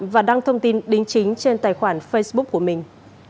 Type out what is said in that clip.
và đăng thông tin đính chính trên tài khoản facebook của mình